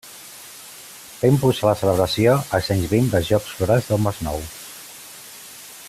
Va impulsar la celebració, als anys vint, dels Jocs Florals del Masnou.